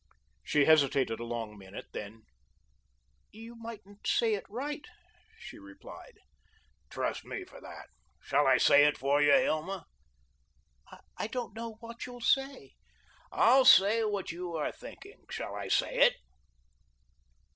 She hesitated a long minute, then: "You mightn't say it right," she replied. "Trust me for that. Shall I say it for you, Hilma?" "I don't know what you'll say." "I'll say what you are thinking of. Shall I say it?"